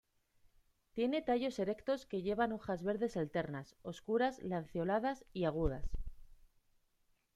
Tiene tallos erectos que llevan hojas verdes alternas, oscuras, lanceoladas y agudas.